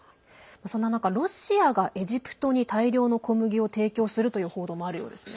そんな中ロシアがエジプトに大量の小麦を提供するという報道もあるようですね。